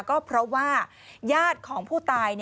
ก็เพราะว่าญาติของผู้ตาย